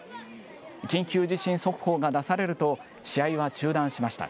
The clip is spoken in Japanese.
緊急地震速報が出されると、試合は中断しました。